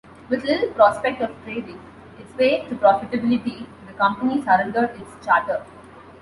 With little prospect of trading its way to profitability, the company surrendered its charter.